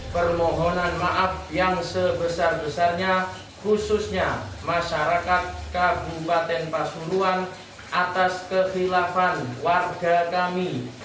permohonan maaf yang sebesar besarnya khususnya masyarakat kabupaten pasuruan atas kehilafan warga kami